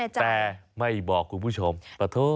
แต่ไม่บอกคุณผู้ชมปะโถ